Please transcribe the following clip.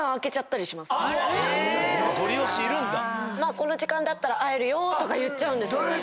この時間だったら会えるよとか言っちゃうんですよ。